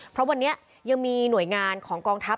เพราะวันนี้ยังมีหน่วยงานของกองทัพ